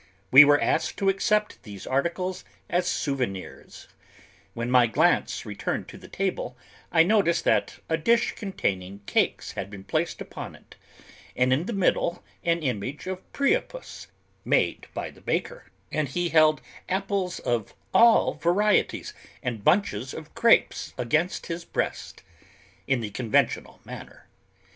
We were asked to accept these articles as souvenirs. When my glance returned to the table, I noticed that a dish containing cakes had been placed upon it, and in the middle an image of Priapus, made by the baker, and he held apples of all varieties and bunches of grapes against his breast, in the conventional manner.